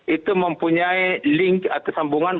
itu mempunyai link atau sambungan